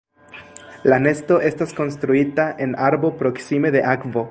La nesto estas konstruita en arbo proksime de akvo.